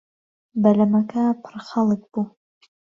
بەلەمەکە پڕ خەڵک بوو.